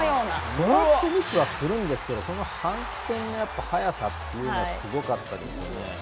トラップミスはするんですがその反転の速さっていうのはすごかったですよね。